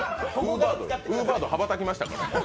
ウーバード羽ばたきましたからね。